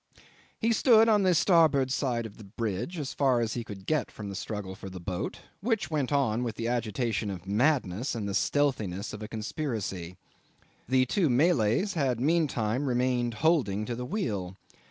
'He stood on the starboard side of the bridge, as far as he could get from the struggle for the boat, which went on with the agitation of madness and the stealthiness of a conspiracy. The two Malays had meantime remained holding to the wheel.